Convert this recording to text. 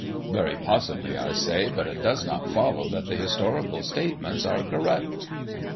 'Very possibly,' I say. 'But it does not follow that the historical statements are correct.'"